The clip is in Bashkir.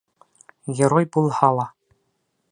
Герой булһа ла.